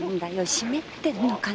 湿ってんのかねえ？